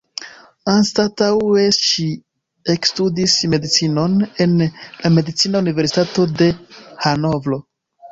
Anstataŭe ŝi ekstudis medicinon en la Medicina Universitato de Hanovro.